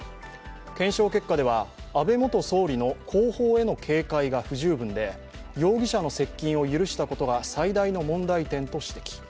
検証結果では、安倍元総理の後方への警戒が不十分で容疑者の接近を許したことが最大の問題点と指摘。